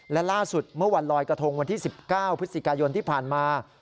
และล่าสุดเมื่อวันลอยกระทงวันที่๑๙พฤศจิกายนที่ผ่านมา